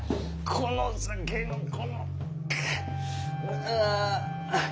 この先のこのくッ。